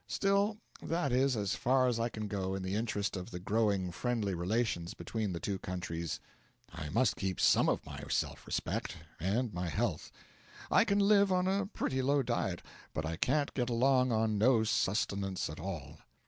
Still, that is as far as I can go in the interest of the growing friendly relations between the two countries; I must keep some of my self respect and my health. I can live on a pretty low diet, but I can't get along on no sustenance at all.